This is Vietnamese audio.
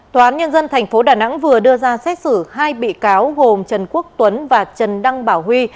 tòa án nhân dân tp đà nẵng vừa đưa ra xét xử hai bị cáo gồm trần quốc tuấn và trần đăng bảo huy